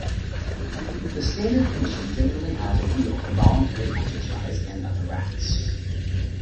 The standard condition generally has a wheel for voluntary exercise and other rats.